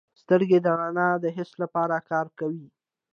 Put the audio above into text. سترګې د رڼا د حس لپاره کار کوي.